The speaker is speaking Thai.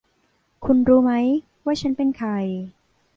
คุณรู้ไหมว่าฉันเป็นใคร